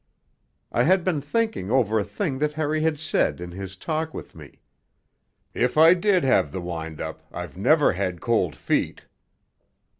I had been thinking over a thing that Harry had said in his talk with me 'If I did have the wind up I've never had cold feet.'